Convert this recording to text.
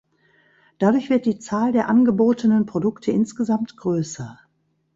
Dadurch wird die Zahl der angebotenen Produkte insgesamt größer.